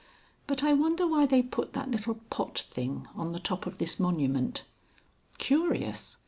But I wonder why they put that little pot thing on the top of this monument. Curious!